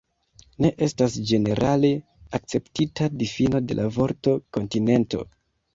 Ne estas ĝenerale akceptita difino de la vorto "kontinento.